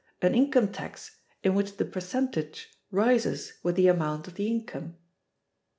an income tax in which the percentage rises with the amount of the income.